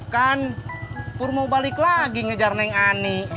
kan pur mau balik lagi ngejar neng ani